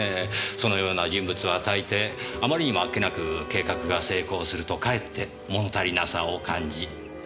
そのような人物はたいていあまりにもあっけなく計画が成功するとかえって物足りなさを感じ。